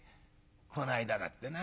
この間だってな